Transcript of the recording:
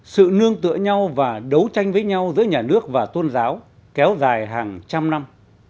sự nương tựa nhau và đấu tranh với nhau giữa nhà nước và tôn giáo kéo dài hàng trăm năm